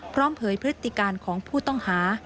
เผยพฤติการของผู้ต้องหา